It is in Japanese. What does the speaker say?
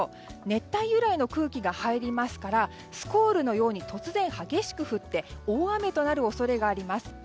熱帯由来の空気が入りますからスコールのように突然激しく降って大雨となる恐れがあります。